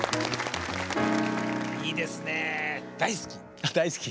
いいですね大好き！